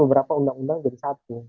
beberapa undang undang jadi satu